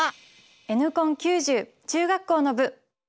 「Ｎコン９０」中学校の部。